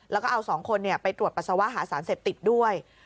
แล้วก็เอา๒คนไปตรวจปัสสาวะหาสารเสพติดด้วย